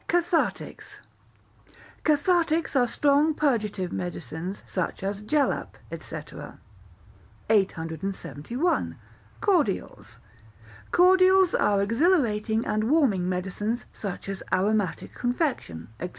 Cathartics Cathartics are strong purgative medicines, such as jalap, &c. 871. Cordials Cordials are exhilarating and warming medicines, such as aromatic confection, &c.